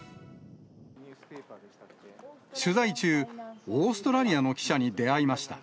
取材中、オーストラリアの記者に出会いました。